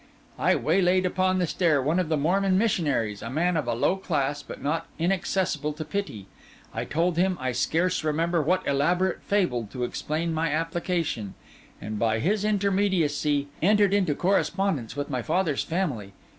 I waylaid upon the stair one of the Mormon missionaries, a man of a low class, but not inaccessible to pity; told him I scarce remember what elaborate fable to explain my application; and by his intermediacy entered into correspondence with my father's family.